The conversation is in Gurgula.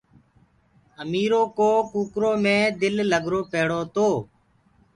اميرو ڪو ڪوڪرو مي دل لگرو پيڙو تو